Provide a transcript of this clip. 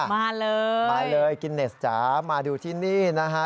มาเลยมาเลยกินเนสจ๋ามาดูที่นี่นะฮะ